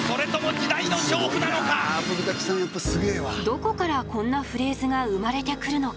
どこからこんなフレーズが生まれてくるのか。